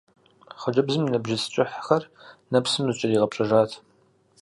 Хъыджэбзым и нэбжьыц кӀыхьхэр нэпсым зэкӀэригъэпщӀэжат.